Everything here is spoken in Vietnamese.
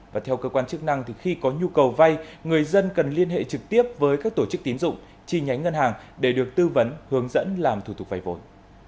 và theo cơ quan chức năng thì khi có nhu cầu vay người dân cần liên hệ trực tiếp với các tổ chức tín dụng chi nhánh ngân hàng để được tư vấn hướng dẫn làm thủ tục vay vốn